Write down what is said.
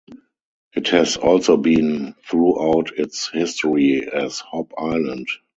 It has also been known throughout its history as Hop Island.